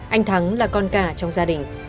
anh thắng là con cả trong gia đình